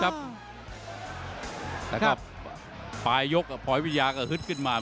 อ๋อจังหวะเตะหลุดเหรอ